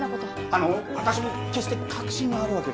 あの私も決して確信があるわけでは。